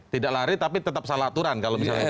tidak lari tapi tetap salah aturan kalau misalnya